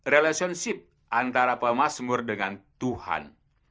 relationship antara pemasmur dengan tuhan